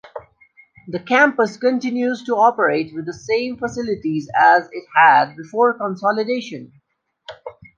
The campus continues to operate with the same facilities as it had before consolidation.